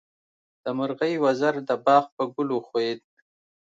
د مرغۍ وزر د باغ په ګل وښویېد.